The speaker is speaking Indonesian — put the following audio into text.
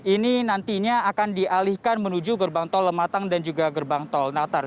ini nantinya akan dialihkan menuju gerbang tol lematang dan juga gerbang tol natar